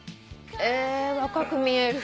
え若く見える。